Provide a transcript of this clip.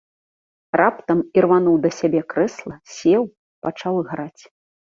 Раптам ірвануў да сябе крэсла, сеў, пачаў іграць.